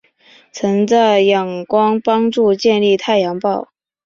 曾在仰光帮助建立太阳报。